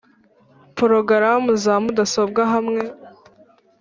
Porogaramu za mudasobwa hamwe